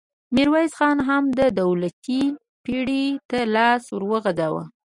ميرويس خان د ډولچې پړي ته لاس ور وغځاوه.